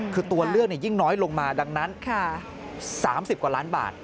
คือตัวเลือกยิ่งน้อยลงมาดังนั้น๓๐กว่าล้านบาท